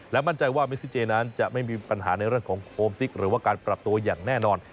มั่นใจว่าเมซิเจนั้นจะไม่มีปัญหาในเรื่องของโฮมซิกหรือว่าการปรับตัวอย่างแน่นอน